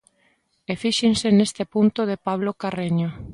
E fíxense neste punto de Pablo Carreño.